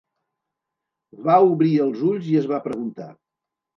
Va obrir els ulls i es va preguntar.